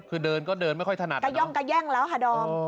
คือเดินก็เดินไม่ค่อยถนัดกระย่องกระแย่งแล้วค่ะดอม